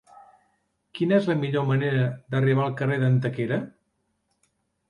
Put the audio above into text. Quina és la millor manera d'arribar al carrer d'Antequera?